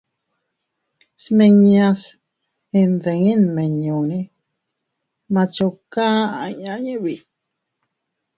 Smiñas ndimiñunne «Machuca» aʼa inña yiʼi biʼi.